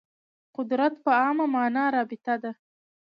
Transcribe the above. قدرت په عامه معنا رابطه وه